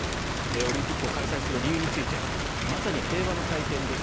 オリンピックを開催する理由についてまさに平和の祭典です。